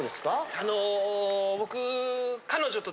あの僕。